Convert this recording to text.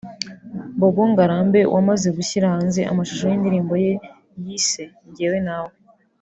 Bobby Ngarambe wamaze gushyira hanze amashusho y’indirimbo yise ‘Njyewe Nawe’